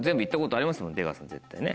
出川さん絶対ね。